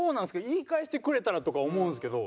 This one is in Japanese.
言い返してくれたらとか思うんですけど。